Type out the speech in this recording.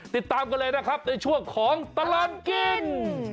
ติดตามกันเลยนะครับในช่วงของตลอดกิน